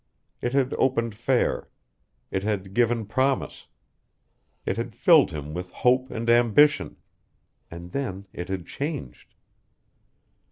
It had opened fair. It had given promise. It had filled him with hope and ambition. And then it had changed.